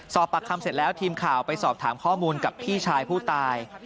สอบปากคำเสร็จแล้วทีมข่าวไปสอบถามข้อมูลกับพี่ชายผู้ตาย